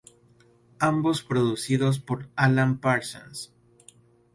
Ambos producidos por Alan Parsons.